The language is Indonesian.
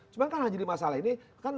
cuma kan jadi masalah ini